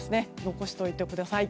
残しておいてください。